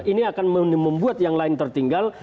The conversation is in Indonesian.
ini akan membuat yang lain tertinggal